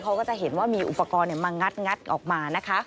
เขาก็จะเห็นว่ามีอุปกรณ์มางัดออกมานะคะ